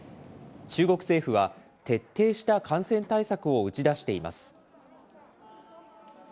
中国政府は徹底した感染対策を打ち出しています。